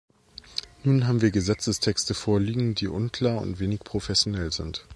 Nun haben wir Gesetzestexte vorliegen, die unklar und wenig professionell sind.